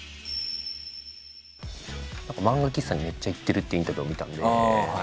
何か漫画喫茶にめっちゃ行ってるっていうインタビューを見たんで。